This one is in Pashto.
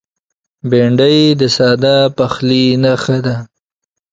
بېنډۍ د ساده پخلي نښه ده